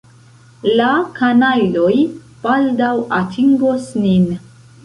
La kanajloj baldaŭ atingos nin.